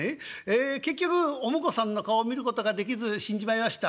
結局お婿さんの顔を見ることができず死んじまいましたええ。